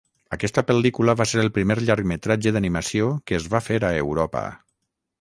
Aquesta pel·lícula va ser el primer llargmetratge d'animació que es va fer a Europa.